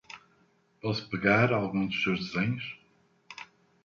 Posso pegar alguns dos seus desenhos?